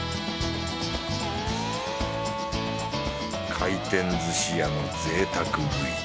回転寿司屋の贅沢食い。